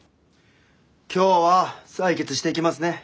今日は採血していきますね。